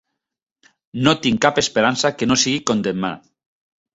No tinc cap esperança que no sigui condemnat.